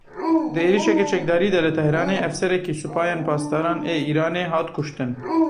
Di êrişeke çekdarî de li Tehranê, efserekî Supayên Pasdaran ê Îranê hat kuştin.